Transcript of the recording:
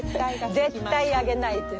絶対あげないって。